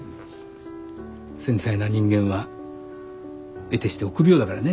繊細な人間はえてして臆病だからね。